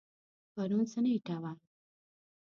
پرون څه نیټه وه؟